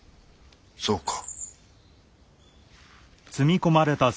そうか。